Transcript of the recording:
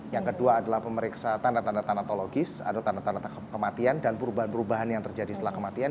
yang kedua adalah pemeriksa tanda tanda tanatologis ada tanda tanda kematian dan perubahan perubahan yang terjadi setelah kematian